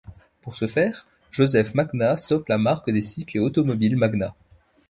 Pour ce faire, Joseph Magnat stoppe la marque des Cycles et Automobiles Magnat.